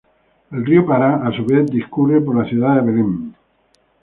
El Río Pará, a su vez, discurre por la ciudad de Belem.